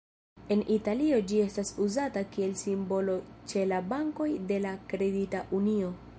En Italio ĝi estas uzata kiel simbolo ĉe la bankoj de la Kredita Unio.